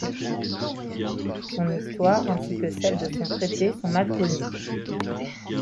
Son histoire ainsi que celle de son traité sont mal connues.